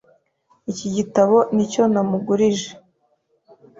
Iki gitabo ni cyo namugurije.